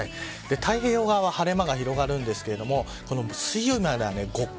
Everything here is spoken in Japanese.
太平洋側は晴れ間が広がるですが水曜日までは極寒。